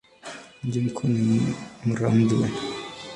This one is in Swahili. Mji mkuu ni Muramvya.